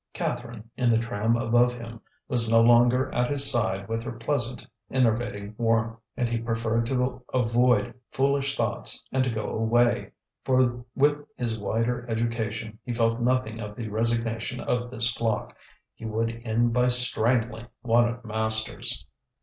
Catherine, in the tram above him, was no longer at his side with her pleasant enervating warmth; and he preferred to avoid foolish thoughts and to go away, for with his wider education he felt nothing of the resignation of this flock; he would end by strangling one of the masters.